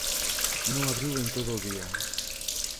Non abriu en todo o día